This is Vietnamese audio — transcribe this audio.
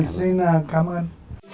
xin cảm ơn